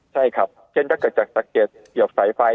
ใช่ครับเช่นก็เกิดจากสักเกลียดเกี่ยวกับสายไฟ